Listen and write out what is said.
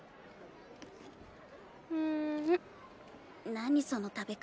何その食べ方。